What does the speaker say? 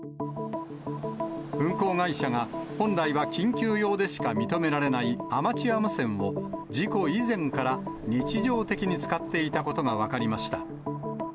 運航会社が、本来は緊急用でしか認められないアマチュア無線を、事故以前から日常的に使っていたことが分かりました。